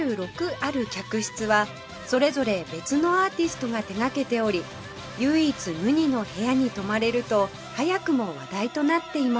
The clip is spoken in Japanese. ある客室はそれぞれ別のアーティストが手掛けており唯一無二の部屋に泊まれると早くも話題となっています